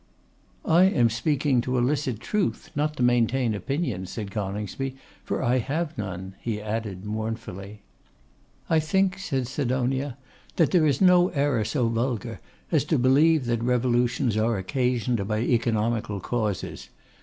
'I am speaking to elicit truth, not to maintain opinions,' said Coningsby; 'for I have none,' he added, mournfully. 'I think,' said Sidonia, 'that there is no error so vulgar as to believe that revolutions are occasioned by economical causes.